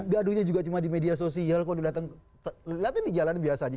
gaduhnya juga cuma di media sosial kalau dilatih di jalan biasa aja